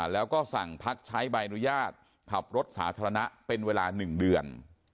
แล้วก็สั่งพักใช้ใบอนุญาตขับรถสาธารณะเป็นเวลา๑เดือน